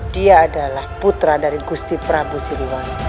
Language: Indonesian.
dia adalah putra dari gusti prabu siliwan